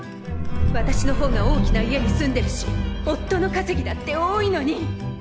私の方が大きな家に住んでるし夫のかせぎだって多いのに。